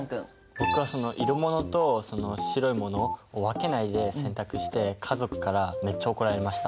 僕は色物と白い物を分けないで洗濯して家族からめっちゃ怒られました。